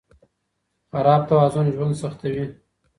خراب توازن ژوند سختوي.